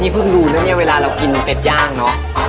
นี่เพิ่งดูนะเวลาเรากินเป็ดย่างเนอะ